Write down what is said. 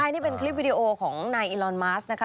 นี่เป็นคลิปวิดีโอของนายอิลอนมาสนะคะ